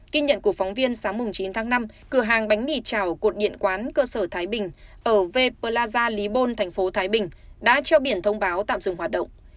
kinh nhận của phóng viên sáng chín tháng năm cửa hàng bánh mì chảo cột điện quán cơ sở thái bình ở vê plaza lý bôn tp thái bình đã treo biển thông báo tạm dừng hoạt động